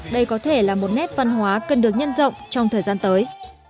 đây có thể là một nét văn hóa cần được nhân rộng trong thời gian tới